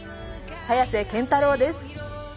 早瀬憲太郎です。